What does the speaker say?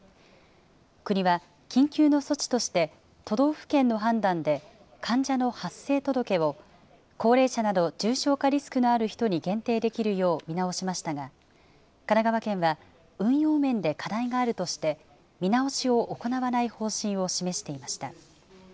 国は緊急の措置として、都道府県の判断で患者の発生届を高齢者など重症化リスクのある人に限定できるよう見直しましたが、神奈川県は運用面で課題があるとして、見直しを行わない方針を示していました。